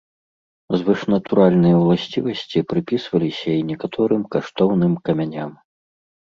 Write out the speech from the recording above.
Звышнатуральныя ўласцівасці прыпісваліся і некаторым каштоўным камяням.